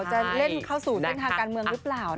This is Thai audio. จะเล่นเข้าสู่เส้นทางการเมืองหรือเปล่า